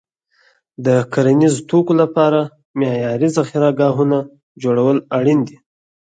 د کرنیزو توکو لپاره معیاري ذخیره ګاهونه جوړول اړین دي.